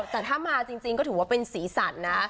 แต่ถ้ามาจริงก็ถือว่าเป็นสีสันนะ